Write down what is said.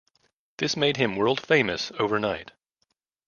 This made him world-famous overnight.